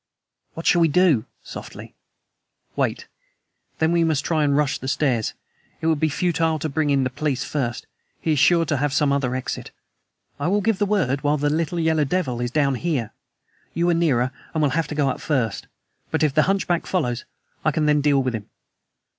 "What shall we do?" softly. "Wait. Then we must try to rush the stairs. It would be futile to bring in the police first. He is sure to have some other exit. I will give the word while the little yellow devil is down here. You are nearer and will have to go first, but if the hunchback follows, I can then deal with him."